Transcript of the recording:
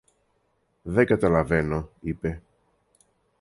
Δεν καταλαβαίνω, είπε.